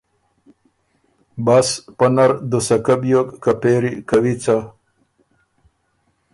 بس پۀ نر دُوسکۀ بیوک که پېری کوی څۀ؟